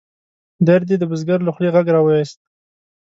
درد یې د بزګر له خولې غږ را ویوست.